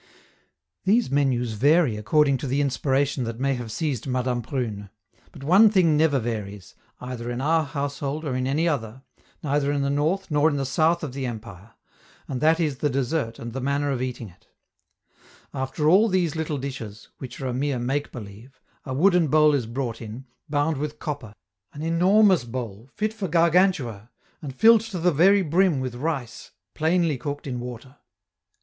These menus vary according to the inspiration that may have seized Madame Prune. But one thing never varies, either in our household or in any other, neither in the north nor in the south of the Empire, and that is the dessert and the manner of eating it: after all these little dishes, which are a mere make believe, a wooden bowl is brought in, bound with copper an enormous bowl, fit for Gargantua, and filled to the very brim with rice, plainly cooked in water.